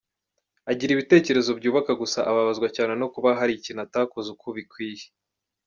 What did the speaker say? Agira ibitekerezo byubaka gusa ababazwa cyane no kubona hari ikintu atakoze uko bikwiye.